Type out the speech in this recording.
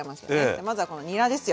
じゃあまずはこのにらですよ。